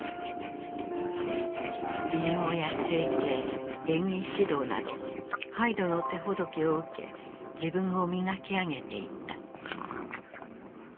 美容や整形演技指導などハイドの手ほどきを受け自分を磨き上げていった。